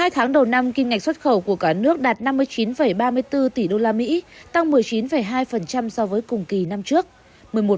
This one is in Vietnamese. hai tháng đầu năm kim ngạch xuất khẩu của cả nước đạt năm mươi chín ba mươi bốn tỷ usd tăng một mươi chín hai so với cùng kỳ năm trước